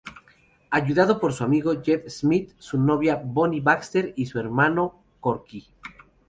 Ayudado por su amigo, Jeff Smith, su novia, Bonnie Baxter y su hermano, Corky.